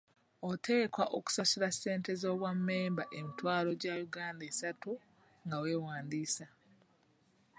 Oteekwa okusasula ssente z'obwa mmemba emitwala gya Uganda esatu nga weewandiisa.